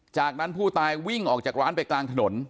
จากนั้นผู้ตายวิ่งออกจากร้านไปกลางถนน